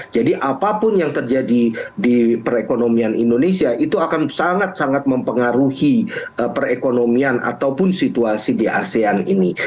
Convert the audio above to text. jadi apapun yang terjadi di perekonomian indonesia itu akan sangat sangat mempengaruhi perekonomian ataupun situasi di asean ini